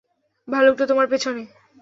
ভালুকটা তোমার পেছনে।